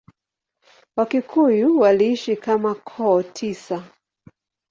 Wakikuyu waliishi kama koo tisa.